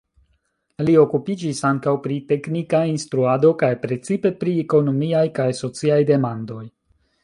Li okupiĝis ankaŭ pri teknika instruado kaj precipe pri ekonomiaj kaj sociaj demandoj.